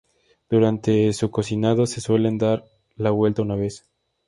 Durante su cocinado se suelen dar la vuelta una vez.